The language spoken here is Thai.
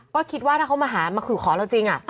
ก็คิดว่าถ้าเขามาหามาขู่ขอเราจริง